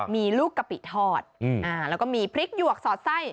มีลูกกะปิทอดแล้วก็มีพริกหยวกสอดไส้